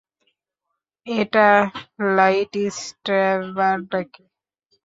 এটা লাইটস্ট্যাবার নাকি?